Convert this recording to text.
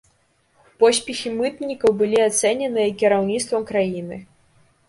Поспехі мытнікаў былі ацэненыя кіраўніцтвам краіны.